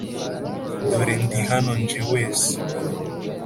Dore ndi hano nje wese